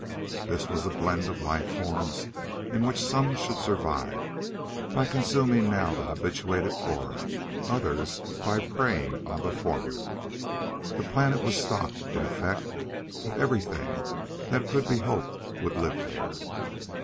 This was a blend of life forms in which some should survive by consuming the now habituated flora, others by preying on the former. The planet was stocked, in effect, with everything that it could be hoped would live there.